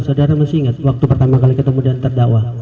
saudara masih ingat waktu pertama kali ketemu dengan terdakwa